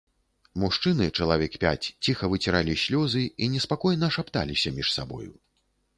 Мужчыны, чалавек пяць, ціха выціралі слёзы і неспакойна шапталіся між сабою.